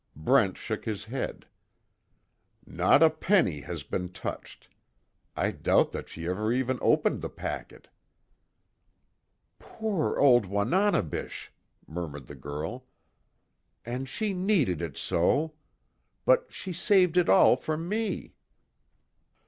Brent shook his head: "Not a penny has been touched. I doubt that she ever even opened the packet." "Poor old Wananebish," murmured the girl, "And she needed it so. But she saved it all for me."